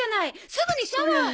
すぐにシャワーを。